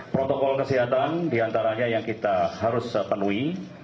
protokol kesehatan diantaranya yang kita harus penuhi